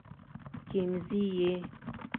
کيم ځي ئې